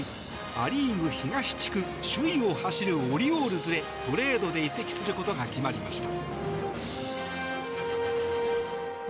ア・リーグ東地区首位を走るオリオールズへトレードで移籍することが決まりました。